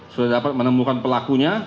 sudah dapat menemukan pelakunya